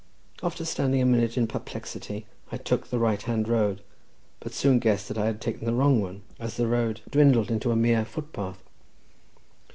After standing a minute in perplexity I took the right hand road, but soon guessed that I had taken the wrong one, as the road dwindled into a mere footpath.